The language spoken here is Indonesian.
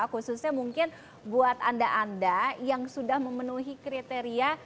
khususnya mungkin buat anda anda yang sudah memenuhi kriteria